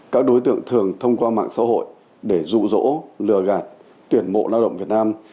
các đối tượng thường thông qua mạng xã hội để rụ rỗ lừa gạt tuyển mộ lao động việt nam